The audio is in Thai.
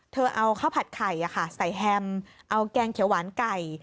เธอเอาข้าวผัดไข่ใส่แฮมเอาแกงเขียวหวานไก่